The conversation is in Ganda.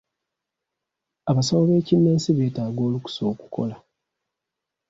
Abasawo b'ekinnansi beetaaga olukusa okukola.